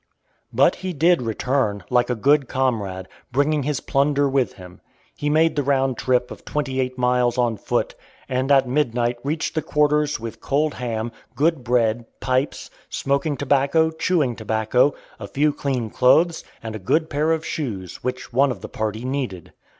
But he did return, like a good comrade, bringing his "plunder" with him. He made the round trip of twenty eight miles on foot, and at midnight reached the "quarters" with cold ham, good bread, pipes, smoking tobacco, chewing tobacco, a few clean clothes, and a good pair of shoes, which one of the party needed.